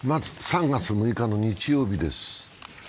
３月６日の日曜日です。